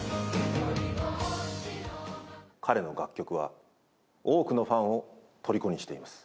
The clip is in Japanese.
彼の楽曲は多くのファンをとりこにしています。